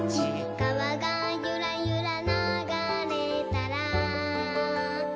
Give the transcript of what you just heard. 「かわがゆらゆらながれたら」